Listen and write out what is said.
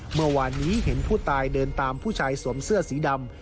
เมื่อวานนี้เห็นผู้ตายเดินตามผู้ชายสวมเสื้อสีดำ